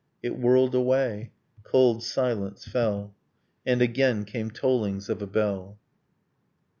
It whirled away. Cold silence fell. And again came tollings of a bell.